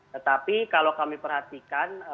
tetapi kalau kami perhatikan